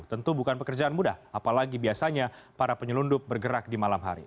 tentu bukan pekerjaan mudah apalagi biasanya para penyelundup bergerak di malam hari